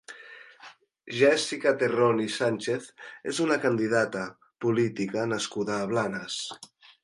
Jèssica Terrón i Sànchez és una candidata política nascuda a Blanes.